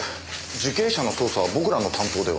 受刑者の捜査は僕らの担当では？